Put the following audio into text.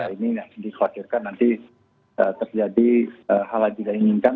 ini yang dikhawatirkan nanti terjadi hal yang tidak inginkan